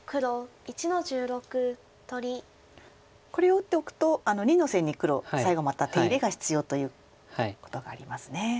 これを打っておくと２の線に黒最後また手入れが必要ということがありますね。